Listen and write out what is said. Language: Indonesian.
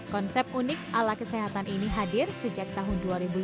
konsep unik ala kesehatan ini hadir sejak tahun dua ribu lima